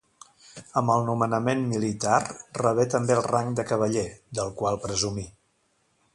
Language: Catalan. Amb el nomenament militar rebé també el rang de cavaller, del qual presumí.